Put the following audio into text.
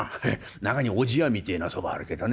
中にはおじやみてえなそばあるけどね